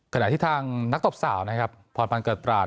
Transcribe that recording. ขณะที่ทางนักตบสาวนะครับพรพันธ์เกิดปราศ